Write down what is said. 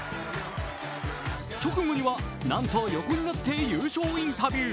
直後にはなんと横になって優勝インタビュー。